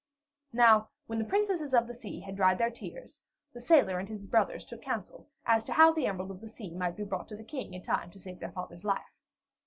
Now, when the princesses of the sea had dried their tears, the sailor and his brothers took counsel as to how the Emerald of the Sea might be brought to the King in time to save their father's life.